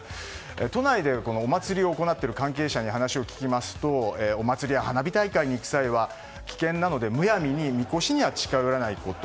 都内でお祭りを行っている関係者に話を聞きますとお祭りや花火大会に行く際は危険などでむやみにみこしには近づかないこと。